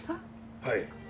はい。